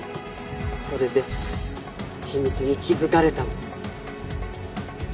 それで秘密に気づかれたんです。